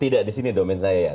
tidak di sini domen saya ya